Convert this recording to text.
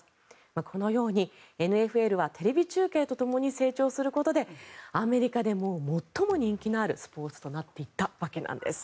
このようにＮＦＬはテレビ中継とともに成長することでアメリカでも最も人気のあるスポーツとなっていったわけなんです。